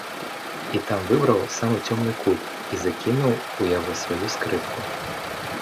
І там выбраў самы цёмны кут і закінуў у яго сваю скрыпку.